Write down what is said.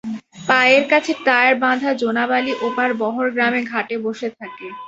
পায়ের কাছে টায়ার বাঁধা জোনাব আলি ওপার বহরগ্রাম ঘাটে বসে থাকে।